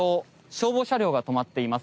消防車両が止まっています。